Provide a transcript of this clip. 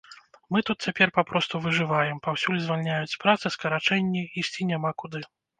Мы тут цяпер папросту выжываем, паўсюль звальняюць з працы, скарачэнні, ісці няма куды.